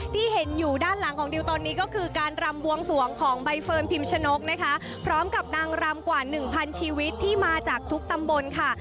ที่เห็นอยู่ด้านหลังของดิวตอนนี้ก็คือการรำบวงสวงของใบเฟิร์นพิมชนกนะคะพร้อมกับนางรำกว่าหนึ่งพันชีวิตที่มาจากทุกตำบลค่ะ